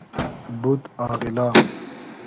بود آغیلا